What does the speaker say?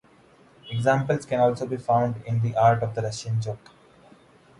Examples can also be found in the art of the Russian joke.